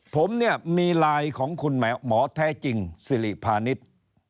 ผมเนี่ยมีไลน์ของคุณหมอแท้จริงสิริพาณิชย์